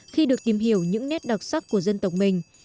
khi được tìm hiểu những nét đặc sắc của dân tộc mình